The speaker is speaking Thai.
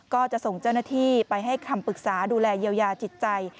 ก็จะส่งเจ้าหน้าที่ไปให้คำปรึกษาดูแลเยียวยาจิตใจ